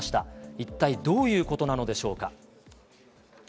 一体どういうことなのでしょうか。